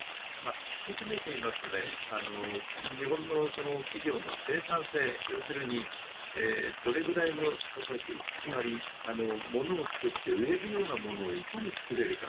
突き詰めますと日本の企業の生産性要するに、どれくらいの付加価値つまり、物を作って売れるようなものをいかに作れるか。